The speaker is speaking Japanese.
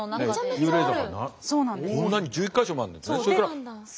こんなに１１か所もあるんですね。